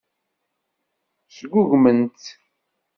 Sgugmen-tt.